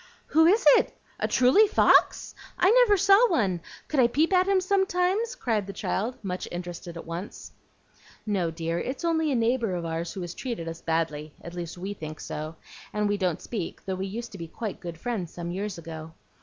"Who is it? A truly fox? I never saw one. Could I peep at him sometimes?" cried the child, much interested at once. "No, dear; it's only a neighbor of ours who has treated us badly, at least we think so, and we don't speak, though we used to be good friends some years ago.